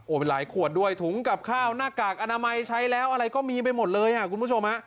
เป็นหลายขวดด้วยถุงกับข้าวหน้ากากอนามัยใช้แล้วอะไรก็มีไปหมดเลยอ่ะคุณผู้ชมฮะ